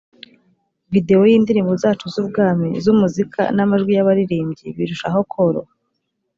videwo y indirimbo zacu z ubwami zumuzika n amajwi y abaririmbyi birushaho koroha